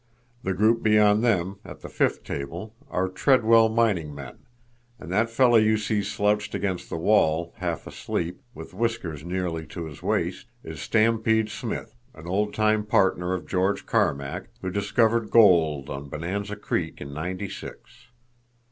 The group beyond them, at the fifth table, are Treadwell mining men, and that fellow you see slouched against the wall, half asleep, with whiskers nearly to his waist, is Stampede Smith, an old time partner of George Carmack, who discovered gold on Bonanza Creek in Ninety six.